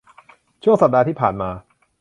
ช่วงสัปดาห์ที่ผ่านมา